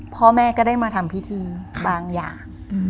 พ่อแม่ก็ได้มาทำพิธีบางอย่าง